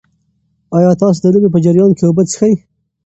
ایا تاسي د لوبې په جریان کې اوبه څښئ؟